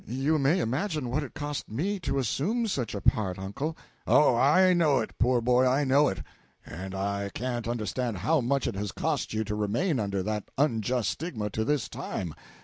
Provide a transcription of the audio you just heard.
"You may imagine what it cost me to assume such a part, uncle." "Oh, I know it, poor boy, I know it. And I can understand how much it has cost you to remain under that unjust stigma to this time.